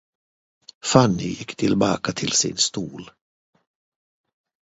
Fanny gick tillbaka till sin stol.